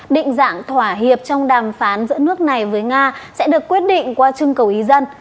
định dạng thỏa hiệp trong đàm phán giữa nước này với nga sẽ được quyết định qua trưng cầu ý dân